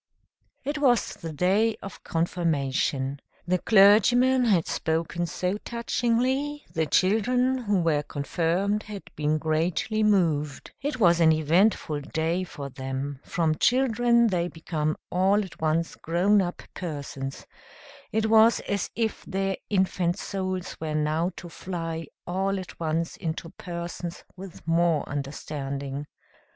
It was the day of confirmation. The clergyman had spoken so touchingly, the children who were confirmed had been greatly moved; it was an eventful day for them; from children they become all at once grown up persons; it was as if their infant souls were now to fly all at once into persons with more understanding.